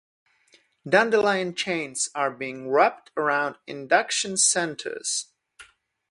Dandelion chains are being wrapped around induction centers...